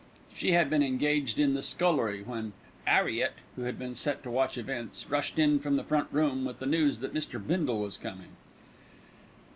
She had been engaged in the scullery when "'Arriet," who had been set to watch events, rushed in from the front room with the news that Mr. Bindle was coming.